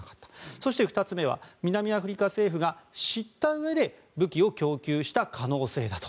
そして、２つ目は南アフリカ政府が知ったうえで武器を供給した可能性だと。